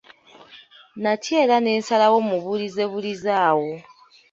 Natya era ne nsalawo mubulizebulize awo.